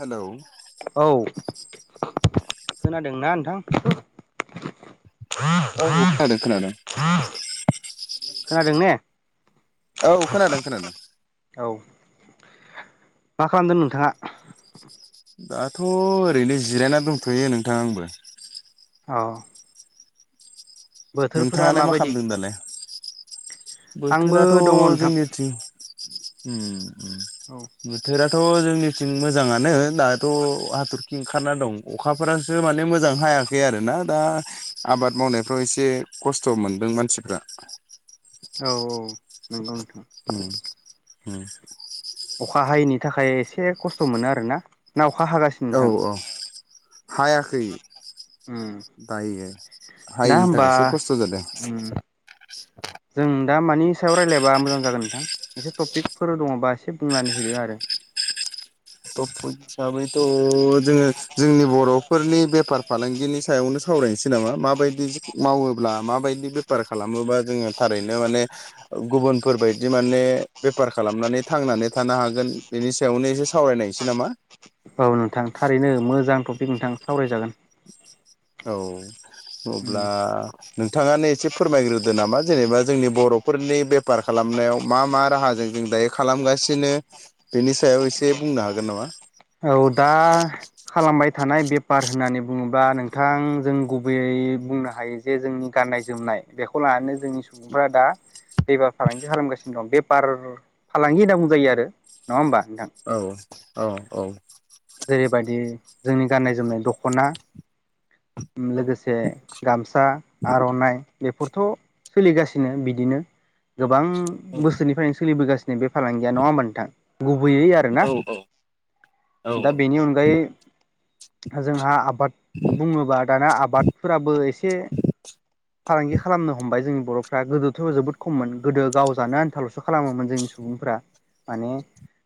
Hello [inaudible] औ खोनादोंना नोंथां औ खोनादों खोनादों खोनादों ने औ खोनादों खोनादों औ मा खालामदों नोंथाङा दाथ' ओरैनो जिरायना दंथ'यो नोंथां आंबो औ बोथोरफोरा नोंथाङालाय मा माबायदि खालामदों दालाय आंबो बोथोराथ' दङ नोंथां जोंनिथिं औ बोथोराथ' जोंनिथिं मोजां मोजाङानो दाथ हाथरखि ओंखारना दं अखाफोरासो माने मोजां हायाखै आरोना दा आबाद मावनायफ्राव एसे खस्थ मोनदों मानसिफ्रा औ - औ नंगौ नोंथां ओम - ओम अखा हायैनि थाखाय एसे खस्थ मोनो आर ना ना अखा हागासिनो औ नोंथां औ हायाखै उम दायो दा हायैनि होमबा थाखायसो खस्थ जादों उम जों दा मानि सायाव रायज्लायबा मोजां जागोन नोंथां एसे टपिकफोर दङबा एसे बुंनानै होदो आरो लांदां टफिख हिसाबैथ' जोङो जोंनि बर'फोरनि बेफार फालांगिनि सायावनो सावरायनोसै नामा माबायदि मावोब्ला माबायदि बेफार खालामोबा जोङो माने गुबुनफोरबायदि माने बेफार खालामनानै थांनानै थानो हागोन नि सायावनो एसे सावरायनायसै नामा दे नोंथां सावरायजागोन औ उम अब्ला नोंथाङानो एसे फोरमायग्रोदो नामा जेनेबा जोंनि बर'फोरनि बेफार खालामनायाव मा मा राहाजों जों दायो खालामगासिनो बेनि सायाव एसे बुंनो हागोन नामा औ दा खालामबाय थानाय बेफार होननानै बुङोबा नोंथां जों गुबैयै बुंनो हायो जे जोंनि गाननाय जोमनाय बेखौ लानानै जोंनि सुबुंफ्रा दा बेफार फालांगि खालामगासिनो दं बेफार- फालांगि होनना बुंजायो आरो नङा होमबा नोंथां औ -औ -औ जेरैबायदि जोंनि गाननाय - जोमनाय दखना लोगोसे गामसा, आरनाइ बेफोरथ' सोलिगासिनो बिदिनो गोबां बोसोरनिफ्रायनो सोलिबोगासि बे फालांगिया नङा होमबा नोंथां गुबैयै आरो ना औ औ औ दा बेनि अनगायै जोंहा आबाद बुङोबा दाना आबादफोराबो एसे फालांगि खालामनो हम हमबाय जोंनि बर'फ्रा गोदोथ जोबोद खममोन गोदो गाव जानो आन्थाल'सो खालामोमोन जोंनि सुबुंफ्रा माने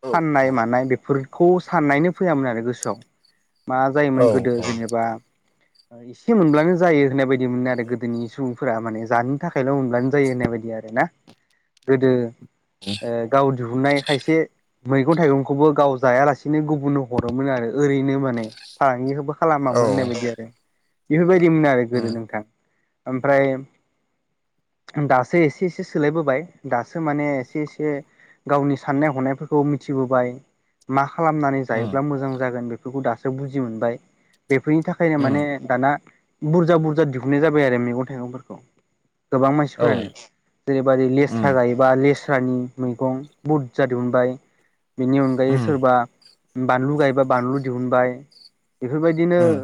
औ फाननाय मानाय बेफोरखौ साननायनो फैयामोन आरो गोसोआव मा जायोमोन औ गोदो जेनेबा एसे मोनब्लानो जायो होननाय बायदि मोनो आरो गोदोनि सुबुंफोरा माने जानो थाखायल मोनब्लानो जायो होननाय बायदि आर ना गोदो ओ गाव दिहुननाय खायसे मैगं -थाइगंखौबो गाव जायालासेनो गुबुननो हरोमोन आरो ओरैनो माने फालाङिखौबो औ खालामामोन होननाय बायदि आरो बेफोरबायदिमोन आरो गोदो उम नोंथां ओमफ्राय दासो एसे- एसे सोलायबोबाय दासो माने एसे- एसे गावनि साननाय - हनायफोरखौ मिथिबोबाय मा खालामनानै उम जायोब्ला मोजां जागोन बेफोरखौ दासो बुजि मोनबाय बेफोरनि थाखायनो उम माने दाना बुरजा - बुरजा दिहुननाय जाबाय आरो मैगं थाइगंफोरखौ गोबां औ मानसिफोरानो जेरैबादि उम लेसथ्रा जायोबा लेस स्रानि मैगं बुरजा दिहुनबाय बेनि अनगायै उम सोरबा बानलु गायबा बानलु दिहुनबाय बेफोरबायदिनो उम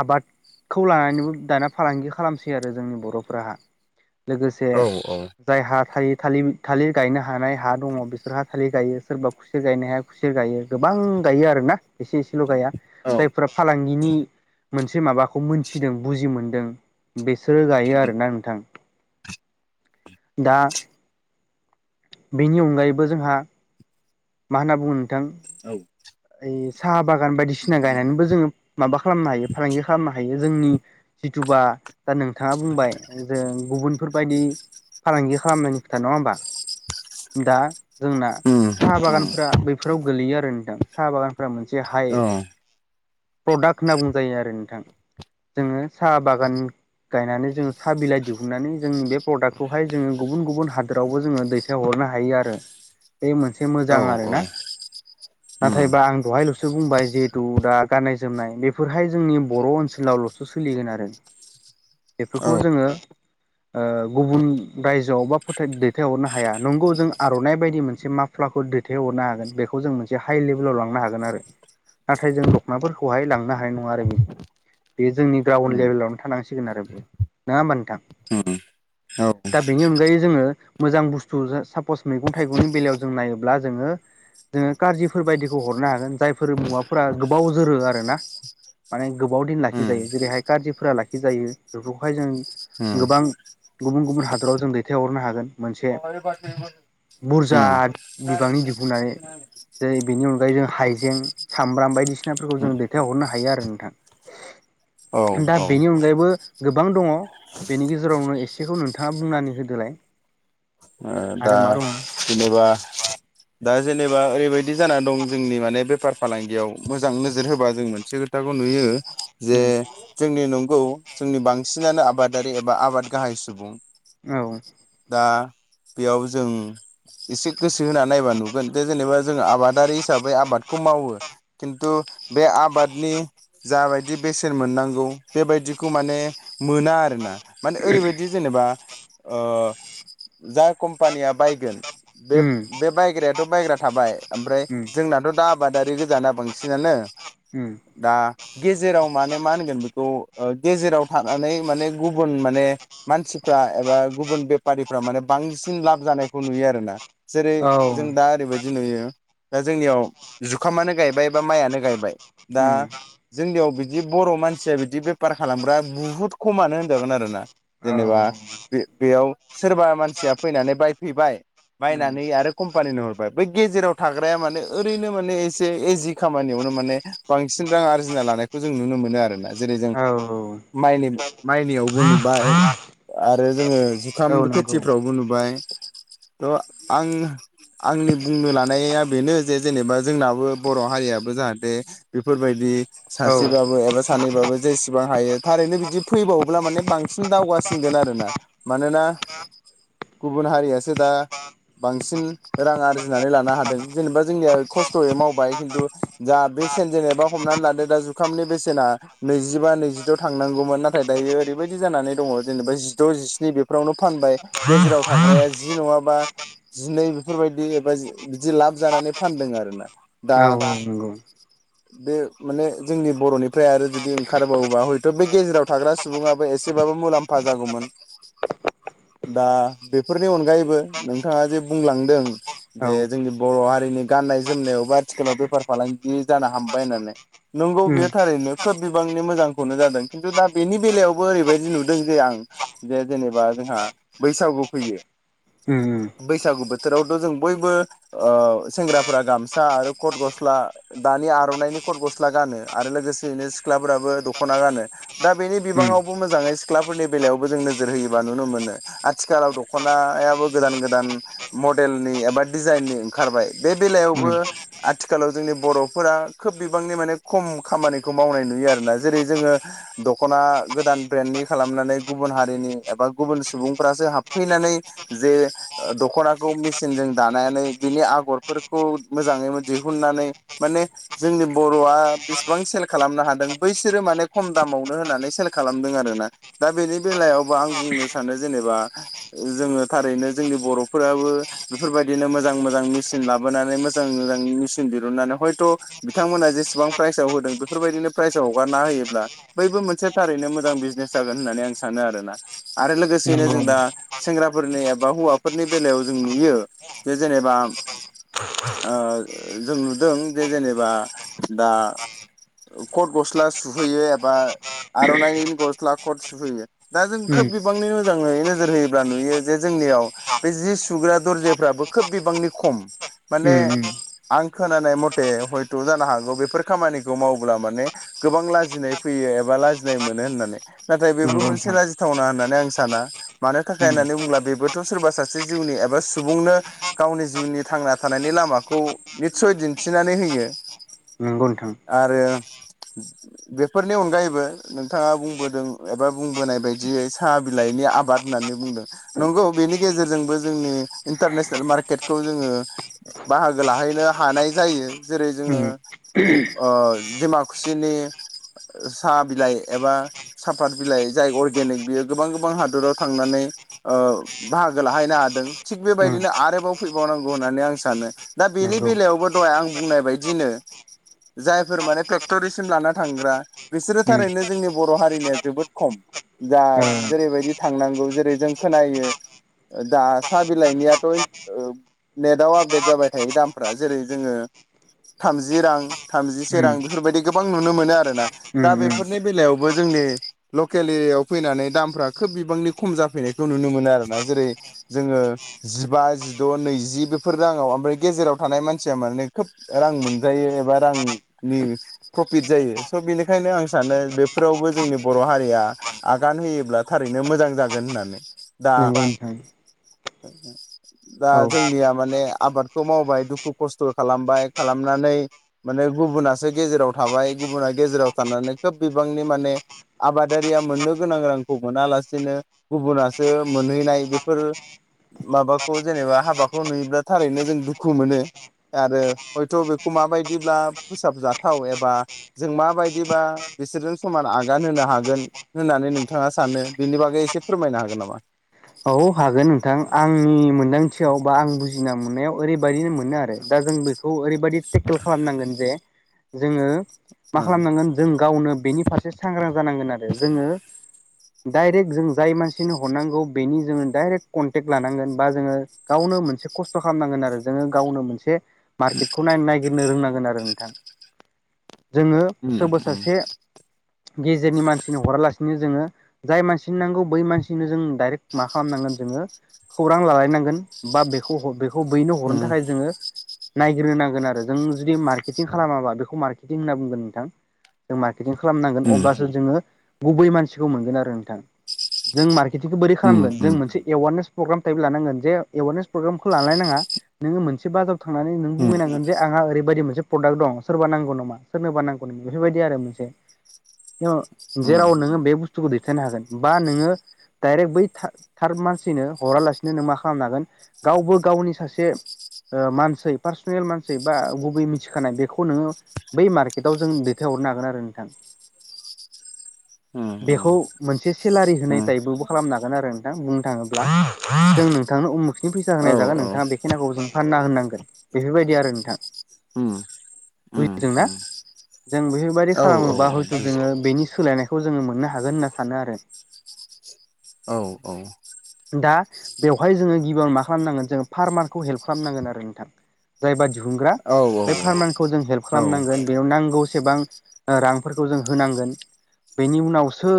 आबादखौ लानानैबो दाना फालांगि खालामसै आरो जोंनि बरफोराहा लोगोसे औ औ जाय हा थायो थालिर थालिर गायनो हानाय हा दङ बिसोरहा थालिर गायो सोरबा खुसेर गायनो हाया खुसेर गायो गोबां गायो आरोना एसे- एसेल' गाया औ जायफोरा फालांगिनि मोनसे माबाखौ मोनथिदों बुजि मोनदों बेसोरो गायो उम आरोना नोंथां दा बेनि अनगायैबो जोंहा मा होनना बुङो नोंथां औ बि साहा बागान बायदिसिना गायनानैबो जोङो माबा खालामनो हायो फालांगि खालामनो हायो। जोंनि जिथुबा दा नोंथाङा बुंबाय जों गुबुन बेफोरबायदि फालांगि खालामनायनि खोथा नङा होमबा दा। जोंना उम साहा बागानफ्रा बैफोराव गोलैयो आरो नोंथां साहा बागान फोरा मोनसे हाइ प्रडाक्ट होनना बुंजायो आरो नोंथां। जोङो साहा बागान। गायनानै जोङो सा बिलाइ दिहुननानै जोंनि बे प्रडाक्टखौहाय जोङो गुबुन गुबुन हादोरावबो जोङो दैथायहरो। नो हायो आरो बे मोनसे औ उम औ मोजां उम उम औ उम आरोना। नाथायबा आं दहायल'सो बुंबाय जिहेथु दा गाननाय जोमनाय बेफोरहाय जोंनि बर' ओनसोलावल'सो सोलिगोन आरो बेफोरखौ जोङो ओ गुबुन रायजोआव बा फोथाथ दैथायहरनो हाया नंगौ जों आर'नाइ बायदि मोनसे माफ्ला खौ दैथायहरनो हागोन बेखौ जों मोन हाइ लेभेलाव लांनो हागोन आरो नाथाय जों दख'नाफोरखौहाय लांनो हानाय नङा आरो बिदि बेयो जोंनि उम ग्राउन्ड लेभेलावनो थानांसिगोन आरो बेयो नङा होमबा नोंथां औ। दा बेनि अनगायै जोङो मोजां बुस्थु सापस मैगं थाइगंनि बेलायाव जों नायोब्ला जोङो जोङो खारजिफोर बायदिखौ हरनो हागोन जायफोर मुवाफोरा गोबाव जोरो आरो ना माने गोबाव दिन लाखिजायो जेरैहाय गारज्रिफोरा लाखिजायो बेफोरखौहाय जों गोबां गुबुन गुबुन हादराव जों दैथायहरनो हागोन मोनसे बुरजा बिबांनि दिहुननानै जेरै बेनि अनगायै जों हाइजें सामब्राम बायदिसिनाफोरखौ जों दैथायहरनो हायो आरो नोंथां! औ दा औ बेनि ओ अनगायैबो गोबां दङ बेनि गेजेरावनो एसेखौ नोंथाङा बुंनानै होदोलाय दा आरो मा जेनेबा दा जेनेबा ओरैबायदि जाना दं जोंनि माने बेफार फालांगियाव मोजां नोजोर होबा जों मोनसे खोथाखौ नुयो जे दङ जोंनि नंगौ जोंनि बांसिनानो आबादारि एबा आबाद गाहाय सुबुं औ दा। बेयाव जों एसे गोसो होनानै नायबा नुगोन दे जेनेबा जोङो आबादारि हिसाबै आबादखौ मावो खिन्थु बे आबादनि जाबायदि बेसेन मोननांगौ बेबायदिखौ माने मोना आरोना माने ओरैबायदि जेनेबा ओ जाय कम्पानिया बायगोन बे उम बे बायग्रायाथ' बायग्रा थाबाय ओमफ्राय उम जोंनाथ' दा आबादारि गोजाना बांसिनानो उम दा गेजेराव माने मा होनगोन बेखौ ओ। गेजेराव थानानै माने गुबुन माने मानसिफ्रा एबा गुबुन बेफारिफ्रा माने बांसिन लाब जानायखौ नुयो आरोना जेरै औ जों दा ओरैबायदि नुयो। दा जोंनियाव जुखामानो गायबाय बा माइआानो गायबाय दा उम जोंनियाव बिदि जि बर' मानसिया बिदि बेफार खालामग्रा बुहुत खमानो होनजागोन आरो ना। औ जेनेबा बे बेयाव सोरबा मानसिया फैनानै बायफैबाय उम बायनानै आरो कम्पानिनो हरबाय बै गेजेराव थाग्राया माने ओरैनो माने एसे एजि खामानियावनो माने बांसिन रां आरजिना लानायखौ जों नुनो मोनो आरोना जेरै जों औ माइनि माइनियावबो नुबाय आरो जोङो औ जुखाम नंगौ खेथि फ्रावबो नुबाय थ' आं। आंनि बुंनो लानाया बेनो जे जेनेबा जोंनाबो बर' हारियाबो जाहाथे बेफोरबायदि दि औ सासेबाबो एबा सानैबाबो जेसेबां हायो थारैनो बिदि फैबावोब्ला माने बांसिन दावगासि सिनगोन आरोना मानोना गुबुन हारियासो दा बांसिन रां आरजिनानै लानो हादों जेनेबा जोंनिया खस्थ'यै मावबाय खिन्थु जा बेसेन जेनेबा हमनानै लादो दा जुखामनि बेसेना नैजिबा नैजिद' थांनांगौमोन नाथाय दायो ओरै बेबायदि जानानै दङ जेनेबा जिद' जिस्नि बेफोरावनो फानबाय गेजेराव थाग्राया जी नङाबा जिनै बेफोरबायदि एबा बिदि लाब जानानै फानदों आरोना दा औ औ [unintelligible] बे माने जोंनि बर'निफ्राय आरो जुदि ओंखारबावोबा हयथ' बे गेजेराव थाग्रा सुबुङाबो एसेबाबो मुलाम्फा जागौमोन [unintelligible] दा बेफोरनि अनगायैबो नोंथाङा जे बुंलांदों औ जे जोंनि बर' हारिनि गाननाय जोमनायाव बा आथिखालाव बेफार फालांगि जानो हमबाय होननानै नंगौ उम बेयो थारैनो खोब बिबांनि मोजांखौनो जादों खिन्थु दा बेनि बेलायावबो ओरैबायदि नुदों जे आं जे जेनेबा जोंहा बैसागु फैयो ओम उम बैसागु बोथोरावथ' जों बयबो सेंग्राफोरा गामसा आरो कथ गस्ला दा नि आर'नाइनि खद गस्ला गानो आरो लोगोसेयैनो सिख्लाफोराबो दख'ना गानो दा बेनि उम बिबाङाव बुं मोजाङै सिख्लाफोरनि बेलायावबो जों नोजोर होयोबा नुनो मोनो आथिखालाव दख'नायाबो गोदान गोदान मडेलनि एबा डिजाइननि ओंखारबाय बे उम बेलायावबो आथिखालाव जोंनि बर'फोरा खोब बिबांनि माने खम खामानिखौ मावनाय नुयो आरो जेरै जोङो दख'ना गोदान ब्रेन्डनि खालामनानै गुबुन हारिनि एबा गुबुन सुबुं फ्रासो हाबफैनानै जे दखनाखौ मेसिनजों दानानै बिनि आगरफोरखौ मोजाङै दिहुननानै माने जोंनि बर'आ बेसेबां सेल खालामनो हादों बै बिसोरो माने खम दामावनो होनानै सेल खालामदों आरोना दा बेनि बेलायावबो आं बुंनो सानो जेनेबा जोङो थारैनो जोंनि बर'फोराबो बेफोरबायदिनो मोजां मोजां मेचिन ला बोनानै मोजां मोजां मेसिन दिहुननानै हयथ' बिथांमोना जेसेबां प्राइजाव होदों बेफोरबायदिनो प्राइजाव हगारना होयोब्ला बैबो मोनसे थारैनो मोजां बिजनेस जागोन होननानै आं सानो आरोना आरो लोगोसे नो नंगौ जों उम दा सेंग्राफोरनि एबा हौवाफोरनि बेलायाव जों नुयो बे जेनेबा जों नुदों जे जेनेबा दा कथ गस्ला सुहैयो एबा आर'नाइनि गस्ला खथ सुहोयो दा जों उम खोब बिबांनि मोजाङै नोजोर होयोब्ला नुयो जे जोंनियाव बे जि सुग्रा दरजाफ्राबो खोब बिबांनि खम माने उम आं खोनानाय मथे हयथ' जानो हागौ बेफोर खामानिखौ मावोब्ला माने गोबां लाजिनाय फैयो एबा लाजिनाय मोनो होननानै नाथाय बेबो नंगौ मोनसे नोंथां लाजिथावना होननानै आं सा ना मानो थाखाय उम होननानै बुंब्ला बेबोथ' सोरबा सासे जिउनि एबा सुबुंनो गावनि जिउनि थां ना थानायनि लामाखौ निस्सय दिन्थिनानै होयो नंगौ नोंथां आरो बेफोरनि अनगायैबो नोंथाङा बुंबोदों एबा बुंबोनाय बायदियै साह बिलाइनि आबाद होननानै बुंदों नंगौ बेनि गेजेरजोंबो जोंनि इन्टारनेसनेल मार्केटखौ जोङो बाहागो लाहैनो हानाय जायो जेरै जोङो उम दिमाकुसिनि साहा बिलाइ एबा साफात बिलाइ जाय अर्गेनिक बियो गोबां गोबां हादराव थांनानै बाहागो लाहैनो हादों थिग उम बेबायदिनो आरोबाव फैबावनो नांगौ होननानै आं सानो दा बेनि नंगौ बेलायावबो दहाय आं बुंनाय बायदिनो जायफोर माने फेक्ट'रिसिम लाना थांग्रा बिसोरो उम थारैनो जोंनि बर' हारिनिया जोबोद खम जा ओ जेरैबायदि थांनांगौ जेरै जों खोनायो दा साहा बिलाइनियाथ' नेट आव आपडेट जाबाय थायो दामफ्रा जेरै जोङो थामजि रां थामजिसे उम रां बेफोरबायदि गोबां नुनो मोनो आरोना दा उम उम बेफोरनि बेलायावबो जों जोंनि लकेल एरियायाव फैनानै दाम फ्रा खोब बिबांनि खम जाफैनायखौ नुनो मोनो आरोना जेरै जोङो जिबा जिद' नैजि जि बेफोर राङाव ओमफ्राय गेजेराव थानाय मानसिया माने खोब रां मोनजायो एबा रांनि प्रफिट जायो स' बिनिखायनो आं सानो बेफोरावबो जोंनि बर' हारिया आगान होयोब्ला थारैनो मोजां जागोन होननानै दा नंगौ नोंथां दा औ जोंनिया माने आबादखौ मावबाय दुखु खस्थ' खालामबाय खालामनानै माने गुबुनासो गेजेराव थाबाय गुबुना गेजेराव थानानै खोब बिबांनि माने आबादारिया मोननो गोनां रां खौ मोनालासेनो गुबुनासो मोनहैनाय बेफोर माबाखौ जेनेबा हाबाखौ नुयोब्ला थारैनो जों दुखु मोनो। आरो हयथ' बेखौ माबायदिब्ला फोसाबजाथाव एबा जों मा बायदिबा बिसोरजों समान आगान होनो हागोन होननानै नोंथाङा सानो बिनि बागै एसे फोरमायनो हागोन नामा? औ हागोन नोंथां आंनि मोनदांथियाव बा आं बुजिना मोननायाव ओरैबायदिनो मोनो आरो दा जों बेखौ ओरैबायदि टेकेल खालामनांगोन जे जोङो मा खालामनांगोन जों गावनो बेनि फारसे सांग्रां जानांगोन आरो जोङो डाइरेक्ट जों जाय मानसिनो हरनांगौ बेनि जोङो डाइरेक्ट कनटेक्ट लानांगोन बा जोङो गावनो मोनसे खस्थ' खालामनांगोन आरो जोङो गावनो मोनसे मार्केटखौ नायनो नायगिरनो रोंनांगोन आरो नोंथां। जोङो उम सोरबा उम सासे गेजेरनि मानसिनो हरालासिनो जोङो जाय मानसिनो नांगौ बै मानसिनो जों डाइरेक्ट मा खालामनांगोन जोङो खौरां लालायनांगोन बा बेखौ हरदो खौ बैनो हरनो उम थाखाय जोङो नायग्रोनांगोन आरो जों जुदि मार्केटिं खालामाबा बेखौ मार्के टिन होनना बुंगोन नोंथां? जों मार्केटिं खालामनांगोन उम अब्लासो जोङो गुबै मानसिखौ मोनगोन आरो नोंथां। जों मार्केटिंखौ बोरै उम खालामगोन जों उम मोनसे एवारनेस फग्राम टाइप लानांगोन जे एवारनेस प्रग्रामखौ लानोनो नाङा नोङो मोनसे बाजार थांनानै नों उम बुंहैनांगोन जे आंहा ओरैबायदि मोन से प्रडाक्ट दं सोरबा नांगौ नामा सोरनोबा नांगौ नोंनो बेफोरबायदि आरो मोनसे एव उम जेराव नोङो बे बुस्थुखौ दैथायनो हागोन बा नोङो डाइरेक्ट बै था-थार्द मानसैनो हरालासिनो नों मा खालामन हागोन गावबो गावनि सासे ओ मानसै पार्सनेल मानसै बा गुबै मिथिखानाय बेखौ नोङो बै मार्केटाव जों दैथायह हरनो हागोन आरो नोंथां। उम उम बेखौ मोनसे सेलारि होनाय उम टाइपावबो खालामनां आरो नोंथां बुंनो थाङोब्ला जों नोंथांनो उमुखनि फैसा औ होनाय जागोन औ नोंथाङा बेखिनाखौ जोंनो फानना होननांगोन बेफोरबायदि आरो नोंथां। उम। उम बुजिदोंना उम जों बेफोरबायदि औ खालामोबा औ हयथ' बुजि जोङो बेनि सोलायनाय खौ जोङो मोननो हागोन होनना सानो आरो औ औ दा बेवहाय जोङो गिबियावनो मा खालामनांगोन जोङो फार्मारखौ हेल्प खालामनांगोन आरो नोंथां जायबादि दिहुनग्रा औ औ बे फार्मारखौ जों हेल्प औ खालामनांगोन बे नांगौ सेबां ओ रांफोरखौ जों होनांगोन बेनि उनावसो